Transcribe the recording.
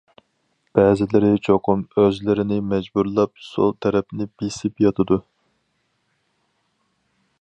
بەزىلىرى چوقۇم ئۆزلىرىنى مەجبۇرلاپ، سول تەرەپنى بېسىپ ياتىدۇ.